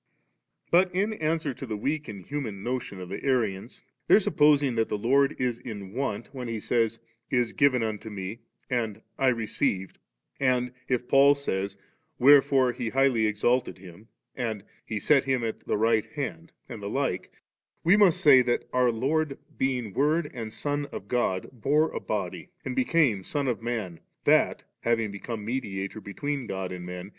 But in answer to the weak and human notion of the Arians, their supposing that the Lord is in want, when He saj^ 'Is given unto Me,' and * I received,* and if Paul says, * Where fore He highly exalted Him,' and 'He set EQm at the right hand',' and the like, we must say that our Lord, being Word and Son of God, bore a body, and became Son of Man, that^ having become Mediator between God and men.